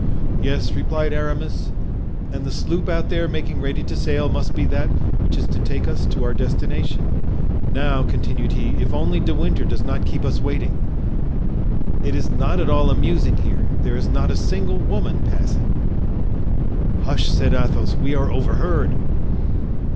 "Yes," replied Aramis, "and the sloop out there making ready to sail must be that which is to take us to our destination; now," continued he, "if only De Winter does not keep us waiting. It is not at all amusing here; there is not a single woman passing." "Hush!" said Athos, "we are overheard."